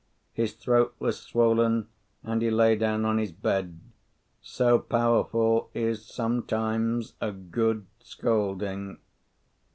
His throat was swollen, and he lay down on his bed. So powerful is sometimes a good scolding!